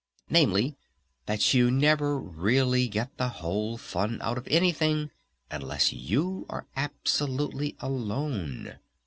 Namely, that you never really get the whole fun out of anything unless you are absolutely alone.